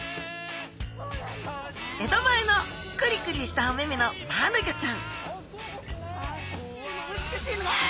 江戸前のクリクリしたお目々のマアナゴちゃんああ！